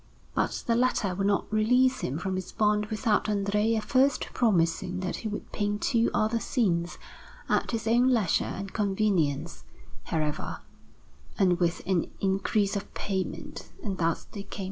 But the latter would not release him from his bond without Andrea first promising that he would paint two other scenes, at his own leisure and convenience, however, and with an increase of payment; and thus they came to terms.